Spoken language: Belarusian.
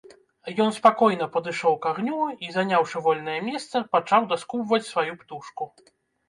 Ён спакойна падышоў к агню і, заняўшы вольнае месца, пачаў даскубваць сваю птушку.